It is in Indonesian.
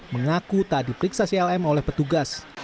mengaku tak diperiksa clm oleh petugas